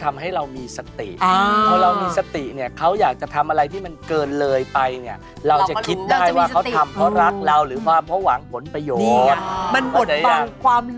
แต่ถ้าเรามีสติกลุ่มเราจะออกจากความหลงได้อย่างนี้นะพี่นี้นะอาจารย์ขอบคุณอาจารย์มากเลยนะคะ